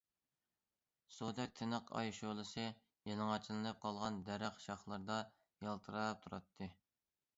سۇدەك تىنىق ئاي شولىسى يالىڭاچلىنىپ قالغان دەرەخ شاخلىرىدا يالتىراپ تۇراتتى.